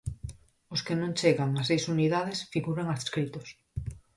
Os que non chegan a seis unidades figuran adscritos.